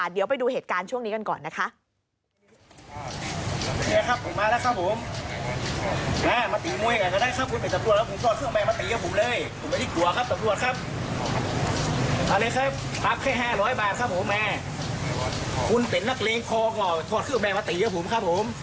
เดี๋ยวไปดูเหตุการณ์ช่วงนี้กันก่อนนะคะ